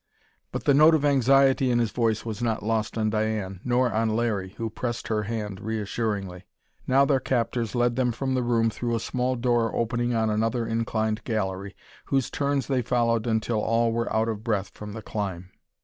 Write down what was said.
But the note of anxiety in his voice was not lost on Diane, nor on Larry, who pressed her hand reassuringly. Now their captors led them from the room through a small door opening on another inclined gallery, whose turns they followed until all were out of breath from the climb.